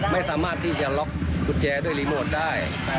ไม่สามารถที่จะล็อกกุญแจด้วยรีโมทได้